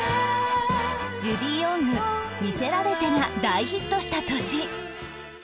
ジュディ・オング『魅せられて』が大ヒットした年